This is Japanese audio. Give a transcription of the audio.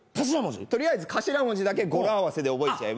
とりあえず頭文字だけ語呂合わせで覚えちゃえば。